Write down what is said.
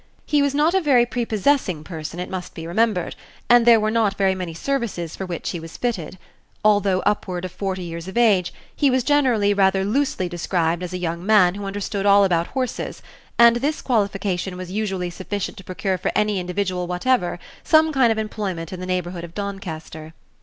He was not a very prepossessing person, it must be remembered, and there were not very many services for which he was fitted. Although upward of forty years of age, he was generally rather loosely described as a young man who understood all about horses, and this qualification was usually sufficient to procure for any individual whatever some kind of employment in the neighborhood of Doncaster.